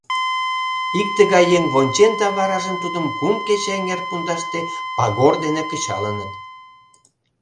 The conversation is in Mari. — Ик тыгай еҥ вончен да варажым тудым кум кече эҥер пундаште пагор дене кычалыныт.